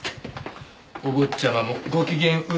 お坊ちゃまもご機嫌麗しく。